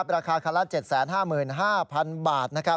ราคาคละ๗๕๕๐๐๐บาท